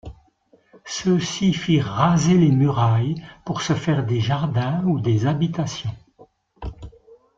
Ceux-ci firent raser les murailles pour se faire des jardins ou des habitations.